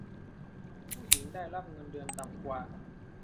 ผู้หญิงได้รับเงินเดือนต่ำกว่า